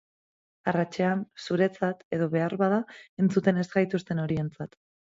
Arratsean, zuretzat, edo beharbada, entzuten ez gaituzten horientzat.